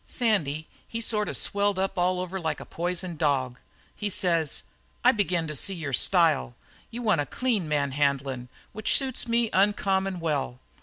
"Sandy, he sort of swelled up all over like a poisoned dog. "He says: 'I begin to see your style. You want a clean man handlin', which suits me uncommon well.'